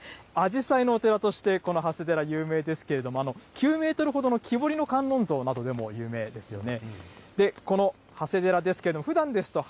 アジサイのお寺としてこの長谷寺、有名ですけれども、９メートルほどの木彫りの観音像などでも有名ですよね。